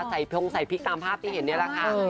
พรงใส่พริกตามภาพที่เห็นนี่แหละค่ะ